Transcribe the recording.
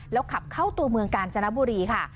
แล้วขับเข้าตัวเมืองกาญจนบุรีค่ะ